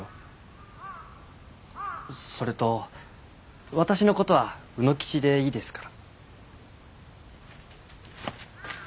それと私のことは「卯之吉」でいいですから。